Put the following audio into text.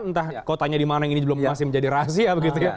entah kotanya dimana ini masih menjadi rahasia